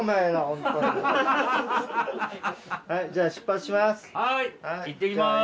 はいじゃあ出発します。